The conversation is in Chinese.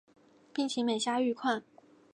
病情每下愈况